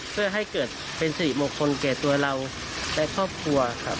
เพื่อให้เกิดเป็นสิริมงคลแก่ตัวเราและครอบครัวครับ